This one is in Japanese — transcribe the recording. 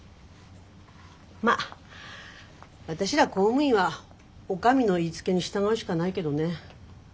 まっ私ら公務員はお上の言いつけに従うしかないけどね。